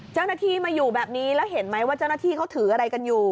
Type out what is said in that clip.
เจ้าหน้าที่มาอยู่แบบนี้แล้วเห็นไหมว่าเจ้าหน้าที่เขาถืออะไรกันอยู่